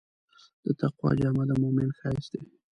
د تقوی جامه د مؤمن ښایست دی.